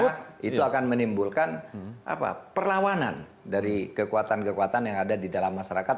karena itu akan menimbulkan perlawanan dari kekuatan kekuatan yang ada di dalam masyarakat